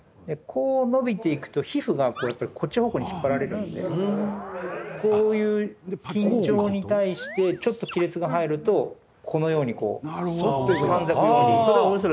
こう伸びていくと皮膚がこっち方向に引っ張られるんでこういう緊張に対してちょっと亀裂が入るとこのようにこう、短冊状に。